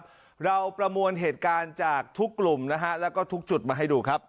เราประมวลเหตุการณ์จากทุกกลุ่มนะฮะแล้วก็ทุกจุดมาให้ดูครับ